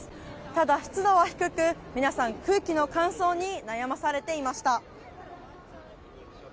ただ湿度は低く皆さん、空気の乾燥に悩まされていました。